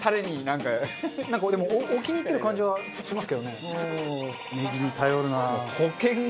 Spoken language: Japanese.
なんかでも置きにいってる感じはしますけどね。